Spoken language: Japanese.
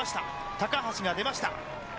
高橋が出ました。